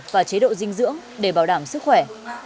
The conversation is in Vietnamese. và chế độ dinh dưỡng để bảo đảm sức khỏe